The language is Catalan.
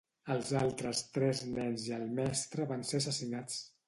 Els altres tres nens i el mestre van ser assassinats.